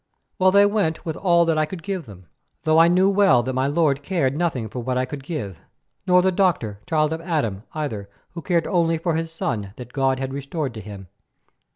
Well, they went with all that I could give them, though I knew well that my lord cared nothing, for what I could give, nor the doctor, Child of Adam, either, who cared only for his son that God had restored to him.